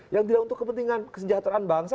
yang tidak untuk kepentingan kesejahteraan bangsa